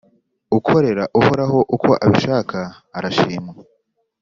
Ukorera Uhoraho uko abishaka, arashimwa,